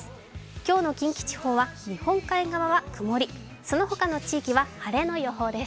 今日の近畿地方は日本海側は曇り、その他の地域は晴れの予報です。